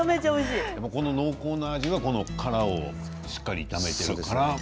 この濃厚な味が殻をしっかり炒めているから。